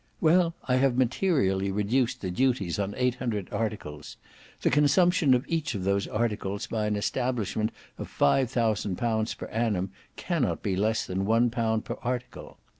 Well, I have materially reduced the duties on eight hundred articles. The consumption of each of those articles by an establishment of five thousand pounds per annum cannot be less than one pound per article.